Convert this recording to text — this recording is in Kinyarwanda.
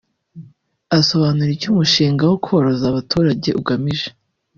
Asobanura icyo umushinga wo koroza abaturage ugamije